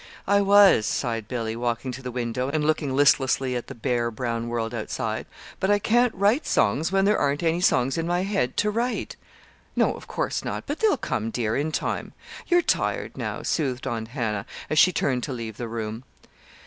"I was," sighed Billy, walking to the window, and looking listlessly at the bare, brown world outside; "but I can't write songs when there aren't any songs in my head to write." "No, of course not; but they'll come, dear, in time. You're tired, now," soothed Aunt Hannah, as she turned to leave the room.